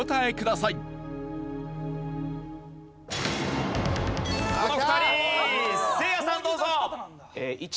せいやさんどうぞ。